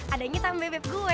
adanya sama bebe gue